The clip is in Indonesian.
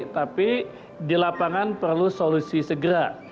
tapi di lapangan perlu solusi segera